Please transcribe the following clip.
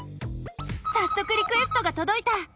さっそくリクエストがとどいた！